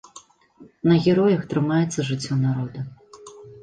На героях трымаецца жыццё народа.